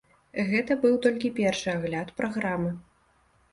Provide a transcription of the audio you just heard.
Гэта быў толькі першы агляд праграмы.